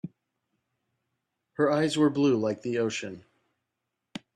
Her eyes were blue like the ocean.